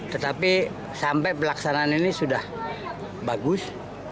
tetapi sampai pelaksanaan ini sudah bagus